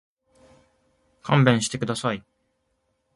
勘弁してください。